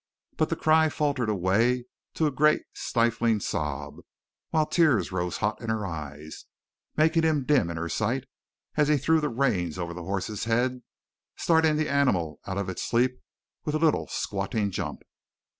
But the cry faltered away to a great, stifling sob, while tears rose hot in her eyes, making him dim in her sight as he threw the rein over the horse's head, starting the animal out of its sleep with a little squatting jump.